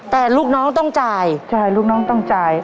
แต่ลูกน้องต้องจ่ายใช่ลูกน้องต้องจ่าย